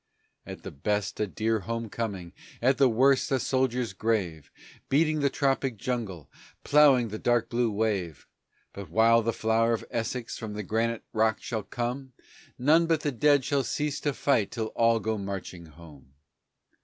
At the best a dear home coming, at the worst a soldier's grave, Beating the tropic jungle, ploughing the dark blue wave; But while the Flower of Essex from the granite rock shall come, None but the dead shall cease to fight till all go marching home.